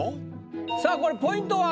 さあこれポイントは？